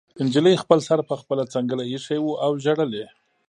نجلۍ خپل سر په خپله څنګله ایښی و او ژړل یې